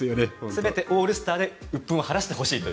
全てオールスターでうっ憤を晴らしてほしいと。